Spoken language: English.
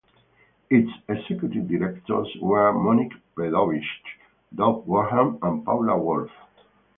Its executive directors were Monique Predovitch, Doug Wortham and Paula Wolfe.